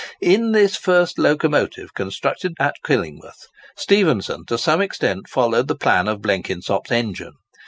In this first locomotive constructed at Killingworth, Stephenson to some extent followed the plan of Blenkinsop's engine.